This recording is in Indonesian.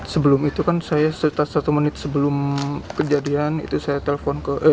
sebelum itu kan saya setelah satu menit sebelum kejadian itu saya telepon ke